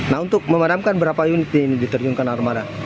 nah untuk memadamkan berapa unit yang diterjunkan armada